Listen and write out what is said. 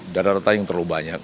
dana reta yang terlalu banyak